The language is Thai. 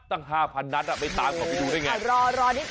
ตั้ง๕พันนัทไปตามเขาไปดูได้ไงโอ้โหรอรอนิดนึง